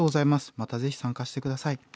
またぜひ参加して下さい。